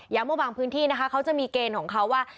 ว่าบางพื้นที่นะคะเขาจะมีเกณฑ์ของเขาว่า